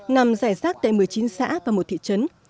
nằm rải rác tại một mươi chín xã và một thị trấn